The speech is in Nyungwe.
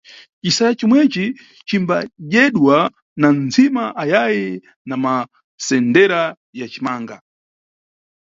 Cisayi comweci cimba dyedwa na ntsima ayayi na masendera ya cimanga.